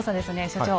所長